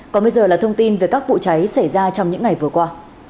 còn bây giờ là thông tin về các vụ cháy xảy ra trong những ngày vừa qua